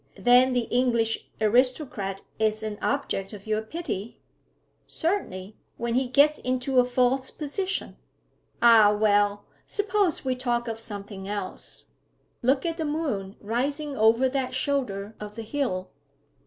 'Then the English aristocrat is an object of your pity?' 'Certainly; when he gets into a false position.' 'Ah! well, suppose we talk of something else. Look at the moon rising over that shoulder of the hill.'